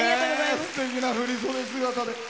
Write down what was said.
すてきな振り袖姿で。